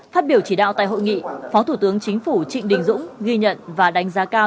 phát biểu chỉ đạo tại hội nghị phó thủ tướng chính phủ trịnh đình dũng ghi nhận và đánh giá cao